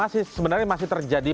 sebenarnya masih terjadi